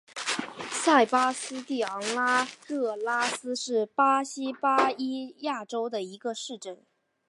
塞巴斯蒂昂拉兰热拉斯是巴西巴伊亚州的一个市镇。